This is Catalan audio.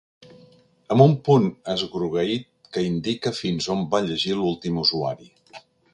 Amb un punt esgrogueït que indica fins on va llegir l'últim usuari.